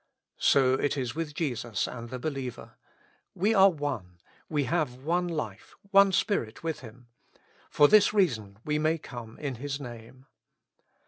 So it is with Jesus and the believer : we are one, we have one life, one Spirit with Him ; for this reason we may come in His Name.